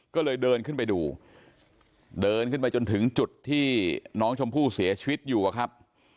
ก็เลยเดินขึ้นไปดูเดินขึ้นไปจนถึงจุดที่น้องชมพู่เสียชีวิตอยู่อะครับ